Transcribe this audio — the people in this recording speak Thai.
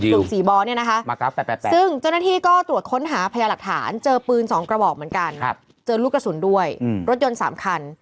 กลุ่ม๔บอลเนี่ยนะคะซึ่งเจ้าหน้าที่ก็ตรวจค้นหาพยาหลักฐานเจอปืน๒กระบอกเหมือนกันเจอลูกกระสุนด้วยรถยนต์๓คัน